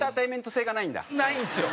ないんですよ。